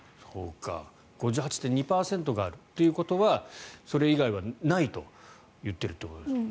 ５８．２％があるということはそれ以外はないと言ってるということですよね。